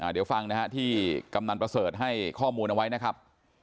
เดี๋ยวฟังนะฮะที่กำนันประเสริฐให้ข้อมูลเอาไว้นะครับ